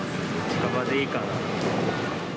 近場でいいかなって。